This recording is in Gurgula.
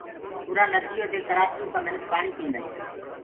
اُرآ نديو دي ڪرآچيو ڪآ منک پآڻي پينٚدآ هينٚ